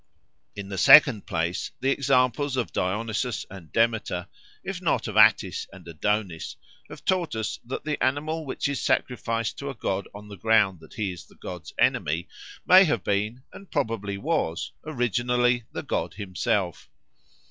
In the second place, the examples of Dionysus and Demeter, if not of Attis and Adonis, have taught us that the animal which is sacrificed to a god on the ground that he is the god's enemy may have been, and probably was, originally the god himself.